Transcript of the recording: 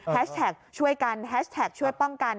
แท็กช่วยกันแฮชแท็กช่วยป้องกัน